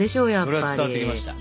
それは伝わってきました。